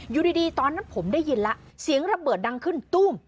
อยู่ดีตอนนั้นผมได้ยินแล้วเสียงระเบิดดังขึ้นตุ้ม